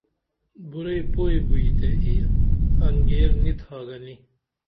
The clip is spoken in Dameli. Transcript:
بُرعی پوئی بوئی تے ای انگیر نی تھا گنی